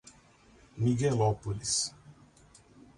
Miguelópolis